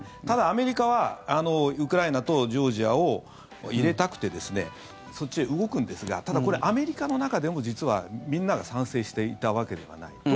ただ、アメリカはウクライナとジョージアを入れたくてそっちへ動くんですがただこれ、アメリカの中でも実は、みんなが賛成していたわけではない。